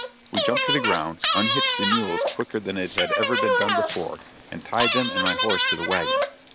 We jumped to the ground, unhitched the mules quicker than it had ever been done before, and tied them and my horse to the wagon.